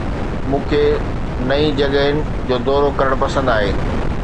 مون کي نئين جڳهن جو دورو ڪرڻ پسند آهي